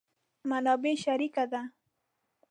منابع شریکه ده.